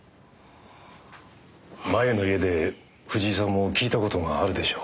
前の家で藤井さんも聞いた事があるでしょう？